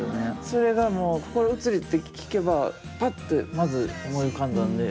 それがもう心移りって聞けばパッてまず思い浮かんだんで。